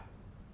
từ bấy đến nay